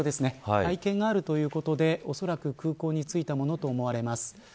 会見があるということでおそらく空港に着いたものと思われます。